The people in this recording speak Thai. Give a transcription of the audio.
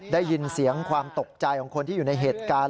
ได้ยินเสียงความตกใจของคนที่อยู่ในเหตุการณ์